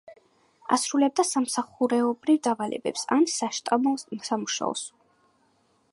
ასრულებდა სამსახურეობრივ დავალებებს, ან საშტაბო სამუშაოს.